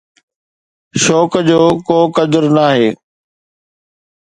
شوق جو ڪو قدر ناهي.